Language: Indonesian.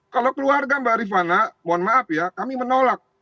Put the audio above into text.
kalau keluarga mbak rifana mohon maaf ya kami menolak